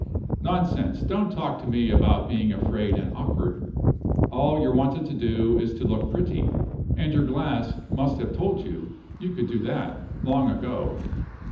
Nonsense! don't talk to me about being afraid and awkward. All you're wanted to do is to look pretty; and your glass must have told you you could do that long ago.